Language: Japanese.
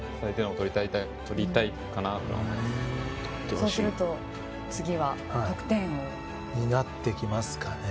そうすると次は得点王？になってきますかね。